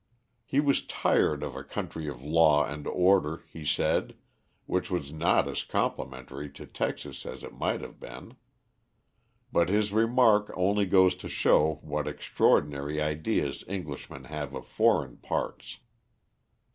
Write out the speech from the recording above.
He was tired of a country of law and order, he said, which was not as complimentary to Texas as it might have been. But his remark only goes to show what extraordinary ideas Englishmen have of foreign parts.